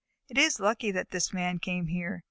It is lucky that this Man came here.